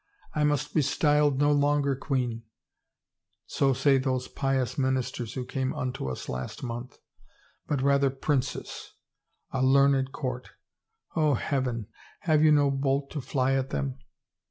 I must be styled no longer queen — so say those pious ministers who came unto us last month, but rather princess. ... A learned court — O Heaven, have you no bolt to fly at them!